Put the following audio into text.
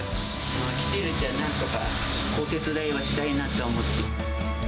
生きてるうちはなんとか、お手伝いはしたいなと思って。